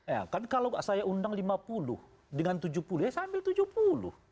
ya kan kalau saya undang lima puluh dengan tujuh puluh ya saya ambil tujuh puluh